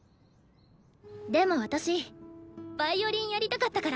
でも私ヴァイオリンやりたかったから。